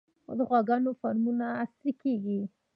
د غواګانو فارمونه عصري کیږي